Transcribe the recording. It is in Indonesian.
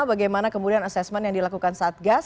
bagaimana kemudian asesmen yang dilakukan satgas